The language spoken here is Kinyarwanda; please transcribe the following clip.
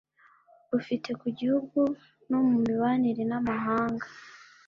rufite ku gihugu no mu mibanire n amahanga